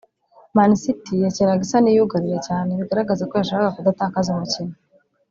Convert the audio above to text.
Man City yakinaga isa n’iyugarira cyane bigaragara ko yashakaga kudatakaza umukino